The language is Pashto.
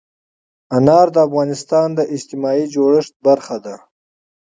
انار د افغانستان د اجتماعي جوړښت برخه ده.